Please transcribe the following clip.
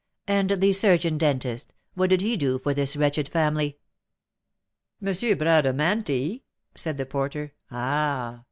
"And the surgeon dentist, what did he do for this wretched family?" "M. Bradamanti?" said the porter. "Ah!